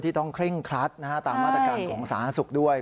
ต้องเคร่งครัดตามมาตรการของสาธารณสุขด้วย